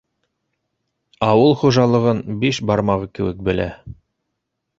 Ауыл хужалығын биш бармағы кеүек белә.